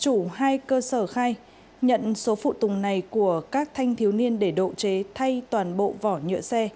chủ hai cơ sở khai nhận số phụ tùng này của các thanh thiếu niên để độ chế thay toàn bộ vỏ nhựa xe